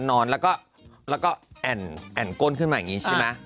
นอนแล้วก็แอ่นก้นขึ้นมาอย่างนี้ใช่ไหม